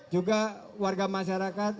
juga warga masyarakat